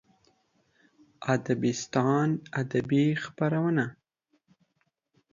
ادبستان ادبي خپرونه